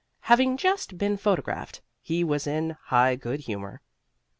Having just been photographed, he was in high good humor.